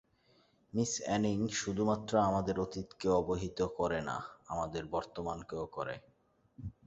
Miss Anning শুধমাত্র আমাদের অতীতকে অবহিত করে না, আমাদের বর্তমানকেও করে।